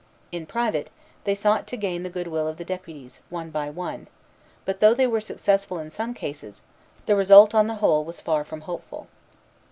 In private, they sought to gain the good will of the deputies, one by one; but though they were successful in some cases, the result on the whole was far from hopeful.